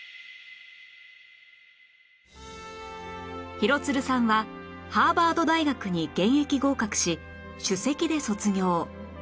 廣津留さんはハーバード大学に現役合格し首席で卒業